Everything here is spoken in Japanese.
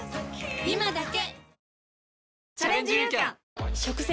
今だけ！